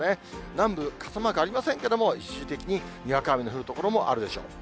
南部、傘マークありませんけども、一時的ににわか雨の降る所もあるでしょう。